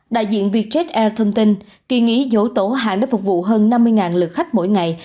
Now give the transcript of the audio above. đại diện vietjet air thông tin kỳ nghỉ dỗ tổ hàng đã phục vụ hơn năm mươi lượt khách mỗi ngày